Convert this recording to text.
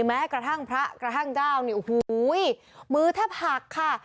แม้กระทั่งพระกระทั่งเจ้าเนี่ยโอ้โหมือแทบหักค่ะ